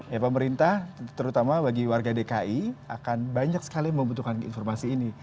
ya pemerintah terutama bagi warga dki akan banyak sekali membutuhkan informasi ini